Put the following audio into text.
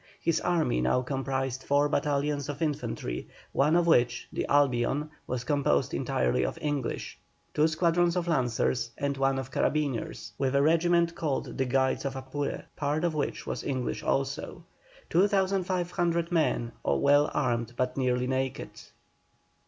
His army now comprised four battalions of infantry, one of which, the "Albion," was composed entirely of English, two squadrons of lancers, and one of carabineers, with a regiment called the "Guides of Apure," part of which was English also. Two thousand five hundred men, well armed, but nearly naked.